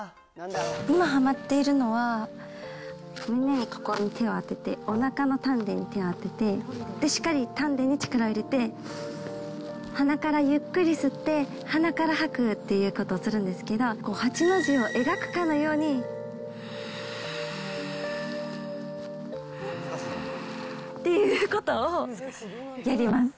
今はまっているのは、胸にここに手を当てて、おなかの丹田に手を当てて、しっかり丹田に力入れて、鼻からゆっくり吸って、鼻から吐くっていうことをするんですけど、８の字を描くかのように、っていうことをやります。